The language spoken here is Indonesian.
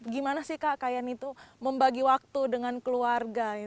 gimana sih kak kayan itu membagi waktu dengan keluarga